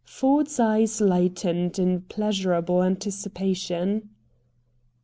Ford's eyes lightened in pleasurable anticipation.